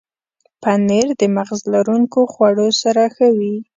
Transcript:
پنېر د مغز لرونکو خوړو سره ښه وي.